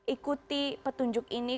ikuti petunjuk ini